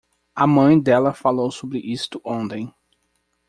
A mãe dela falou sobre isto ontem.